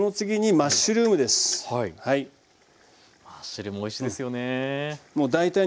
マッシュルームおいしいですよね。